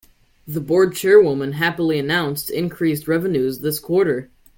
The board chairwoman happily announced increased revenues this quarter.